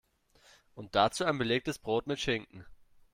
Und dazu ein belegtes Brot mit Schinken.